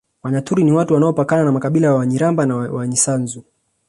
Wanyaturu ni watu wanaopakana na makabila ya Wanyiramba na Winyisanzu